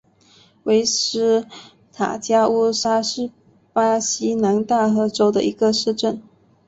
维斯塔加乌沙是巴西南大河州的一个市镇。